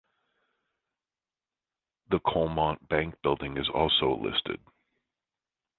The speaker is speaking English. The Coalmont Bank Building also is listed.